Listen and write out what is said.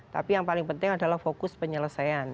tapi yang paling penting adalah fokus penyelesaian